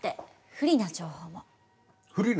不利な情報も？